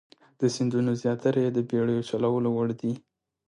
د سیندونو زیاتره یې د بیړیو چلولو وړ دي.